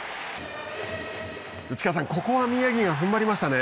内川さん、ここは宮城がふんばりましたね。